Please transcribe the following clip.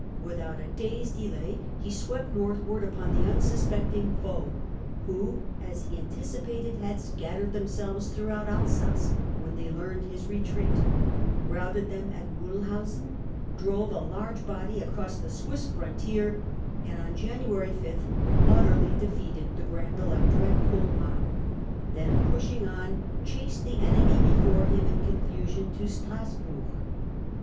Without a day's delay he 1674 Turenne's Campaign in the Vosges. 231 swept northward upon the unsuspecting foe, who, as he anticipated, had scattered themselves throughout Alsace when they learned hi^ retreat ; routed them at Mulhausen, drove a large body across the Swiss frontier, and on January 5 utterly defeated the Grand Elector at Colmar ; then, pushing on, chased the enemy before him in con fusion to Strassburg.